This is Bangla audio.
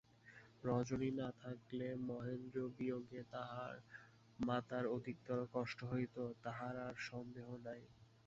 রজনী না থাকিলে মহেন্দ্রবিয়োগে তাঁহার মাতার অধিকতর কষ্ট হইত, তাহার আর সন্দেহ নাই।